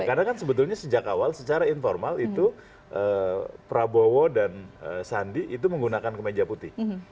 karena kan sebetulnya sejak awal secara informal itu prabowo dan sandi itu menggunakan kemeja putih